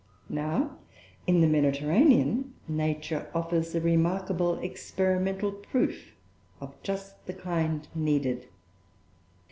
Now, in the Mediterranean, Nature offers a remarkable experimental proof of just the kind needed.